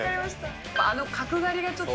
あの角刈りがもう、ちょっと。